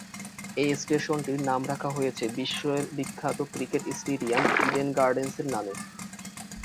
এই স্টেশনটির নাম রাখা হয়েছে বিশ্বের বিখ্যাত ক্রিকেট স্টেডিয়াম ইডেন গার্ডেন্স-এর নামে।